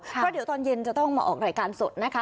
เพราะเดี๋ยวตอนเย็นจะต้องมาออกรายการสดนะคะ